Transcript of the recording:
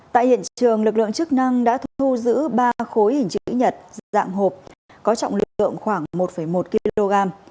tại hiện trường lực lượng chức năng đã thu giữ ba khối hình chữ nhật dạng hộp có trọng lượng khoảng một một kg